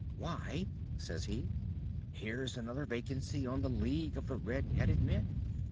"'Why,' says he, 'here's another vacancy on the League of the Red headed Men.